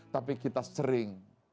tapi kita sering